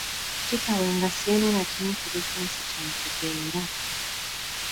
Kitawe nga sirina na kimu kiri ku nsi kye ntegeera.